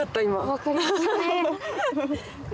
分かりましたね。